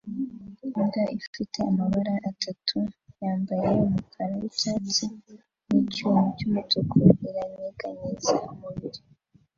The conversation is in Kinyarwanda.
Imbwa ifite amabara atatu yambaye umukara wicyatsi nicyuma cyumutuku iranyeganyeza umubiri